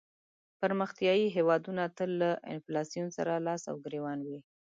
پرمختیایې هېوادونه تل له انفلاسیون سره لاس او ګریوان وي.